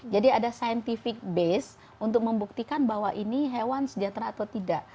jadi ada scientific base untuk membuktikan bahwa ini hewan sejahtera atau tidak